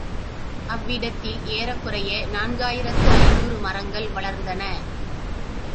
அவ்விடத்தில் ஏறக்குறைய நான்கு ஆயிரத்து ஐநூறு மரங்கள் வளர்ந்தன.